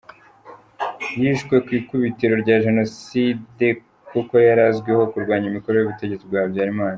Yishwe ku ikubitiro rya Jenoside kuko yari azwiho kurwanya imikorere y’ubutegetsi bwa Habyarimana.